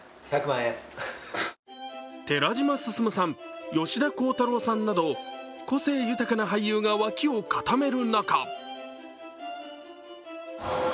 寺島進さん、吉田鋼太郎さんなど個性豊かな俳優がわきを固める中